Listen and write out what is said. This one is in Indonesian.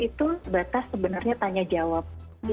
itu sebatas sebenarnya tanya jawab